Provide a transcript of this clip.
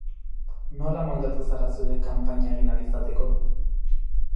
Nola moldatu zara zure kanpaina egin ahal izateko?